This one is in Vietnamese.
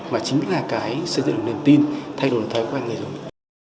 mà chính là cái xây dựng niềm tin thay đổi thói quen người dùng